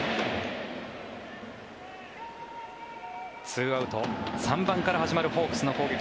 ２アウト３番から始まるホークスの攻撃。